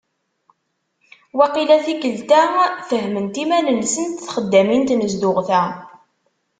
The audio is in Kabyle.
Waqila tikelt-a fahment iman-nsent txeddamin n tnezduɣt-a.